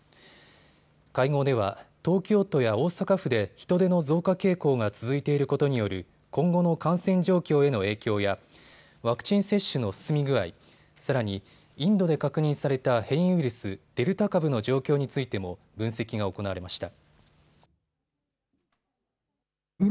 会合では東京都や大阪府で人出の増加傾向が続いていることによる今後の感染状況への影響やワクチン接種の進み具合、さらにインドで確認された変異ウイルス、デルタ株の状況についても分析が行われました。